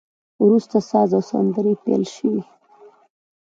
وروسته ساز او سندري پیل شوې.